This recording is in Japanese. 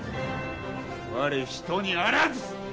われ人にあらず！